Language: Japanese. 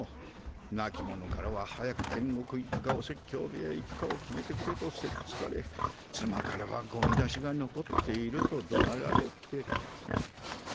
なき者からは早く天国行きかお説教部屋行きかを決めてくれとせっつかれつまからはゴミ出しがのこっているとどなられて。